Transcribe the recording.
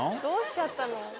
どうしちゃったの？